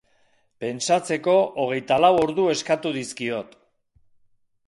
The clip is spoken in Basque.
Pentsatzeko hogeita lau ordu eskatu dizkiot.